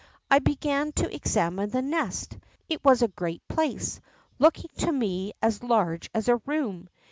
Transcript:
I began to examine the nest. It Avas a great place, looking to me as large as a room.